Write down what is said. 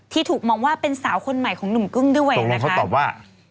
ถูกมองว่าเป็นสาวคนใหม่ของหนุ่มกึ้งด้วยนะคะตอบว่า